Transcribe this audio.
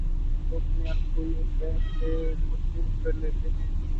وہ اپنے آپ کو یہ کہہ کر مطمئن کر لیتے ہیں